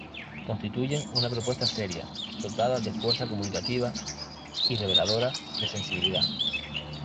Constituyen una propuesta seria, dotada de fuerza comunicativa y reveladora de sensibilidad.